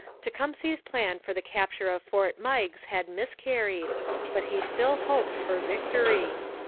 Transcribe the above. Tecumseh's plan for the capture of Fort Meigs had miscarried, but he still hoped for victory.